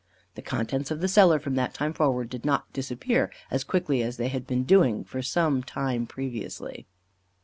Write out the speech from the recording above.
The contents of the cellar, from that time forward, did not disappear as quickly as they had been doing for some time previously.